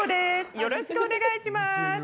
よろしくお願いします。